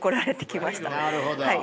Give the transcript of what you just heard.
なるほど。